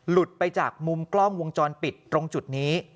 หลุดไปจากมุมกล้องวงจรปิดตรงจุดนี้